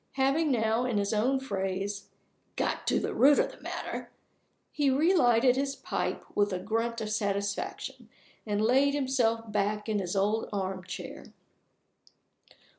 Having now, in his own phrase, "got to the root of the matter," he relighted his pipe with a grunt of satisfaction, and laid himself back in his old armchair.